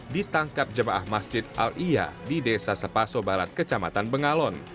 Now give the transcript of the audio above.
ditangkap jemaah masjid al iya di desa sepaso barat kecamatan bengalon